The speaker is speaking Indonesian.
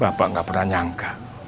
bapak gak pernah nyangka